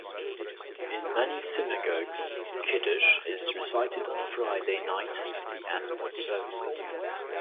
In many synagogues, "kiddush" is recited on Friday night at the end of services.